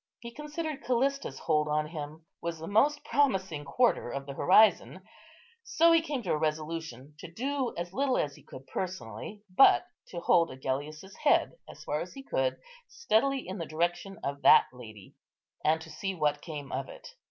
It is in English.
He considered Callista's hold on him was the most promising quarter of the horizon; so he came to a resolution to do as little as he could personally, but to hold Agellius's head, as far as he could, steadily in the direction of that lady, and to see what came of it.